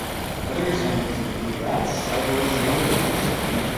Other examples include rats, cyborgs and aliens.